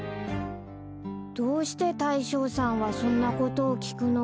［どうして大将さんはそんなことを聞くのか］